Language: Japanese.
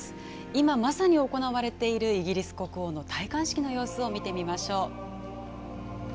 今まさに行われているイギリス国王の戴冠式の様子を見てみましょう。